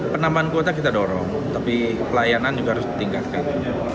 penambahan kuota kita dorong tapi pelayanan juga harus ditingkatkan